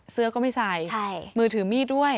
เสื้อก็ไม่ใส่มือถือมีดด้วย